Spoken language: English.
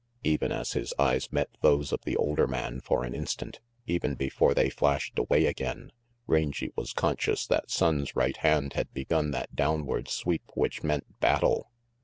Even as his eyes met those of the older man for an instant, even before they flashed away again, Rangy was conscious that Sonnes' right hand had begun that downward sweep which meant battle.